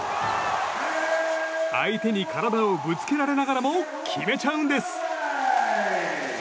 相手に体をぶつけられながらも決めちゃうんです！